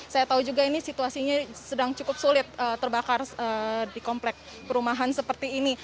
saya tahu juga ini situasinya sedang cukup sulit terbakar di komplek perumahan seperti ini